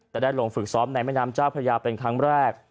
แต่ได้ลงฝึกซ้อมในแม่น้ำเจ้าพระยาเป็นครั้งแรก